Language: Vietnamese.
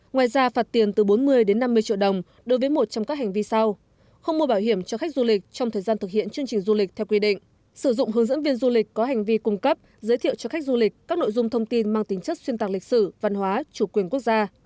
ngoài ra phạt tiền từ bốn mươi đến năm mươi triệu đồng đối với một trong các hành vi sau không mua bảo hiểm cho khách du lịch trong thời gian thực hiện chương trình du lịch theo quy định sử dụng hướng dẫn viên du lịch có hành vi cung cấp giới thiệu cho khách du lịch các nội dung thông tin mang tính chất xuyên tạc lịch sử văn hóa chủ quyền quốc gia